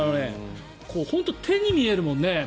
本当に手に見えるもんね